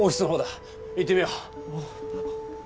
行ってみよう。